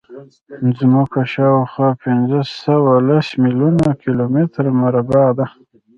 ځمکه شاوخوا پینځهسوهلس میلیونه کیلومتره مربع ده.